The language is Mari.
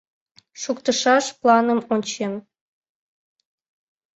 шуктышаш планым ончен